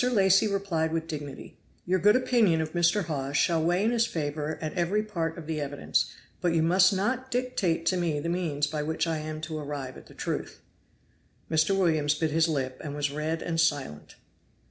Lacy replied with dignity: "Your good opinion of Mr. Hawes shall weigh in his favor at every part of the evidence, but you must not dictate to me the means by which I am to arrive at the truth." Mr. Williams bit his lip and was red and silent.